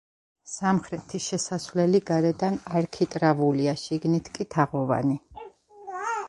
სამხრეთი შესასვლელი გარედან არქიტრავულია, შიგნით კი თაღოვანი.